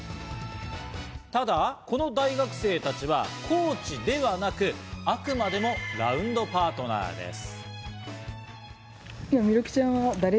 ただこの大学生たちはコーチではなくあくまでもラウンドパートナーです。